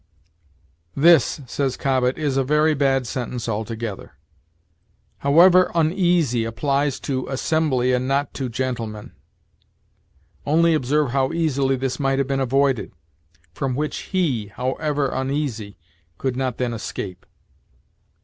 "This," says Cobbett, "is a very bad sentence altogether. 'However uneasy' applies to assembly and not to gentleman. Only observe how easily this might have been avoided. 'From which he, however uneasy, could not then escape.'